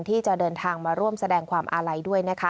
ที่จะเดินทางมาร่วมแสดงความอาไรด้วย